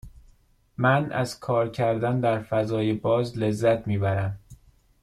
من از کار کردن در فضای باز لذت می برم.